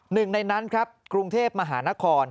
หนึ่งในนั้นครับกรุงเทพมหานคร